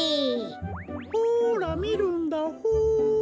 ほらみるんだホー。